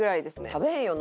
食べへんよな。